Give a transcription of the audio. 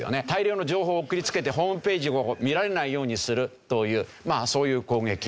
大量の情報を送りつけてホームページを見られないようにするというまあそういう攻撃。